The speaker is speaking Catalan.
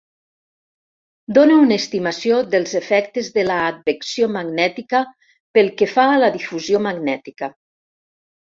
Dóna una estimació dels efectes de l'advecció magnètica pel que fa a la difusió magnètica.